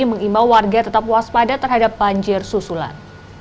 mengimbau warga tetap waspada terhadap banjir susulan